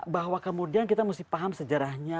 bahwa kemudian kita mesti paham sejarahnya